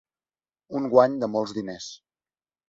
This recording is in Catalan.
Un guany de molts diners.